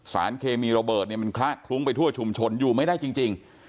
สารเคมีระเบิดเนี่ยมันคละคลุ้งไปทั่วชุมชนอยู่ไม่ได้จริง